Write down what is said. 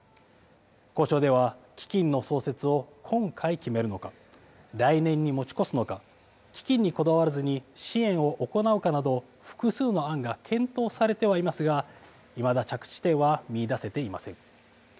交渉では、基金の創設を今回決めるのか、来年に持ち越すのか、基金にこだわらずに支援を行うかなど、複数の案が検討されてはいますが、いまだ、着地点は見いだせていません。